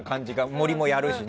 「森」もやるしね。